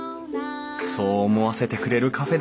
そう思わせてくれるカフェでした